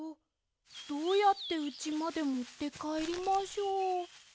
どうやってうちまでもってかえりましょう。